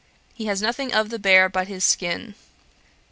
He has nothing of the bear but his skin.'